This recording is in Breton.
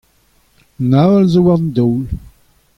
Un aval zo war an daol.